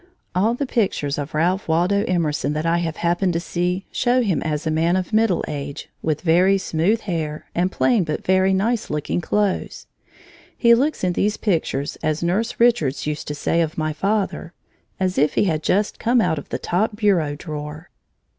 All the pictures of Ralph Waldo Emerson that I have happened to see show him as a man of middle age, with very smooth hair, and plain but very nice looking clothes. He looks in these pictures as nurse Richards used to say of my father, "as if he had just come out of the top bureau drawer."